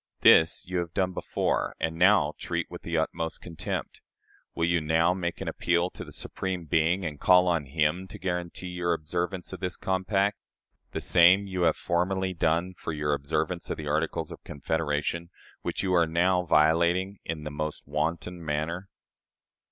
This you have done before, and now treat with the utmost contempt. Will you now make an appeal to the Supreme Being, and call on Him to guarantee your observance of this compact? The same you have formerly done for your observance of the Articles of Confederation, which you are now violating in the most wanton manner."